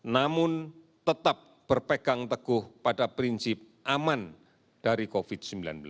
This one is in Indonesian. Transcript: namun tetap berpegang teguh pada prinsip aman dari covid sembilan belas